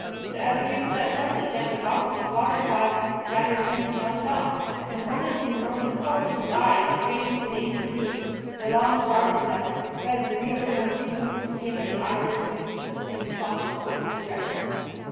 So every week of that summer the family welcomed squatters' wives from the scattered claims round about, and women from the northern forts, whose eyes, strange to dainty things or long starved of them, fed greedily on the smooth skin of the ivory boots and the soft folds of the dress.